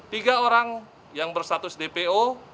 tiga orang yang bersatus dpo